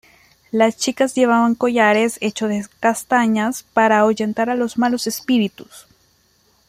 Las chicas llevaban collares hechos de castañas para ahuyentar a los malos espíritus.